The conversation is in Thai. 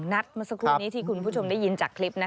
นัดมาสักครู่นี้ที่คุณผู้ชมได้ยินจากคลิป